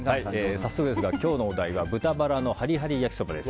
早速ですが、今日のお題は豚バラのハリハリ焼きそばです。